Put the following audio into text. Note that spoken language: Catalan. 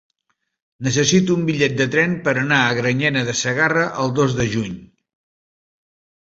Necessito un bitllet de tren per anar a Granyena de Segarra el dos de juny.